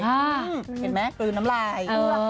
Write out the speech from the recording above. เห็นไหมกลืนน้ำลาย